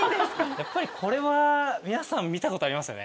やっぱりこれは皆さん見たことありますよね。